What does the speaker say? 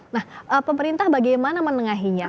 nah pemerintah bagaimana menengahinya